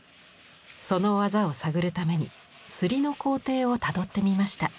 その技を探るために摺りの工程をたどってみました。